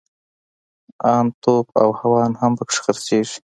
ان توپ او هاوان هم پکښې خرڅېږي.